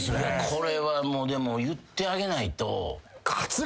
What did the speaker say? これはでも言ってあげないと。